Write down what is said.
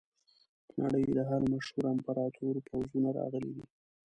د نړۍ د هر مشهور امپراتور پوځونه راغلي دي.